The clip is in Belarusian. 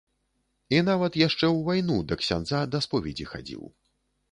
І нават яшчэ ў вайну да ксяндза да споведзі хадзіў.